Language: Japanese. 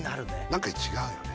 何か違うよね